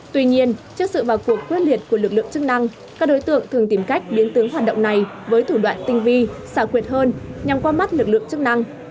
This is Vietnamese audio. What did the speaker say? tuy nhiên trước sự vào cuộc quyết liệt của lực lượng chức năng các đối tượng thường tìm cách biến tướng hoạt động này với thủ đoạn tinh vi xảo quyệt hơn nhằm qua mắt lực lượng chức năng